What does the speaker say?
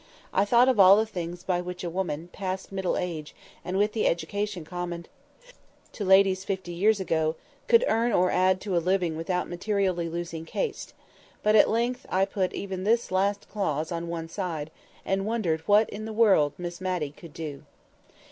I thought of all the things by which a woman, past middle age, and with the education common to ladies fifty years ago, could earn or add to a living without materially losing caste; but at length I put even this last clause on one side, and wondered what in the world Miss Matty could do.